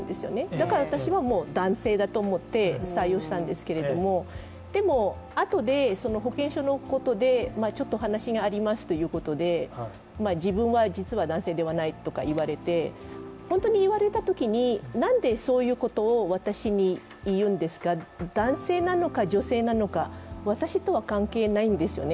だから私はもう男性だと思って採用したんですけど、でも、あとで保険証のことでちょっと話がありますということで自分は実は男性ではないとか言われて本当に、言われたときに何でそういうことを私に言うんですか男性なのか、女性なのか私とは関係ないんですよね。